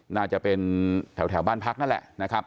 น่าจะเป็นแถวบ้านพักนั่นแหละนะครับ